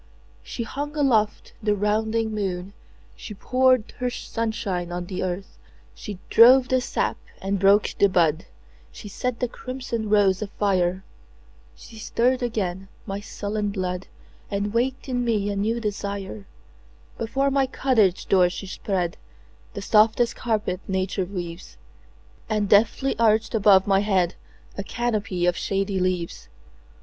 She hung aloft the rounding moon, She poured her sunshine on the earth, She drove the sap and broke the bud, She set the crimson rose afire. She stirred again my sullen blood, And waked in me a new desire. Before my cottage door she spreadThe softest carpet nature weaves, And deftly arched above my headA canopy of shady leaves.